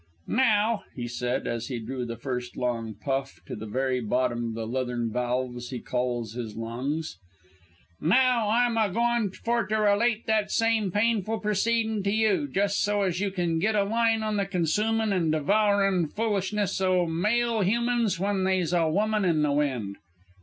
"Now," he said, as he drew the first long puff to the very bottom of the leathern valves he calls his lungs. "Now, I'm a goin' for to relate that same painful proceedin' to you, just so as you kin get a line on the consumin' and devourin' foolishness o' male humans when they's a woman in the wind.